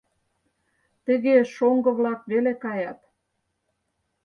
Тыге шоҥго-влак веле каят.